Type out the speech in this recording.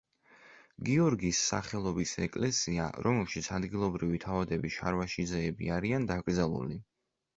გიორგის სახელობის ეკლესია, რომელშიც ადგილობრივი თავადები შარვაშიძეები არიან დაკრძალული.